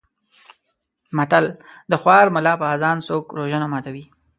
متل: د خوار ملا په اذان څوک روژه نه ماتوي.